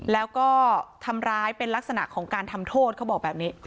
แล้วก็ทำร้ายเป็นลักษณะของการทำโทษเขาบอกแบบนี้